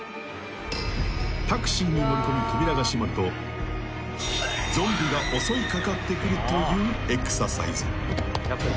［タクシーに乗り込み扉が閉まるとゾンビが襲い掛かってくるというエクササイズ］